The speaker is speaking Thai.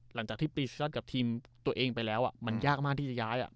หลังจากที่ปีสตันกับทีมตัวเองไปแล้วมันยากมากที่จะย้าย